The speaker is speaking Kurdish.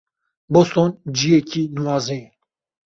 Boston ciyekî nuwaze ye.